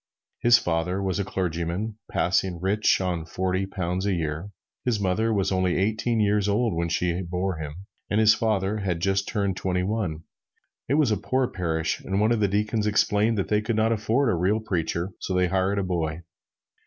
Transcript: His father was a clergyman, passing rich on forty pounds a year. His mother was only eighteen years old when she bore him, and his father had just turned twenty one. It was a poor parish, and one of the deacons explained that they could not afford a real preacher; so they hired a boy.